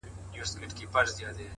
هره بریا د داخلي نظم نتیجه ده؛